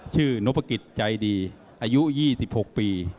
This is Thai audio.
ชื่อโนภกิตใจดีอายุ๒๖ปี